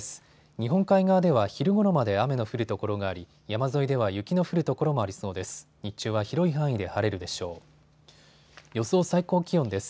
日本海側では昼ごろまで雨の降る所があり山沿いでは雪の降る所もありそうです。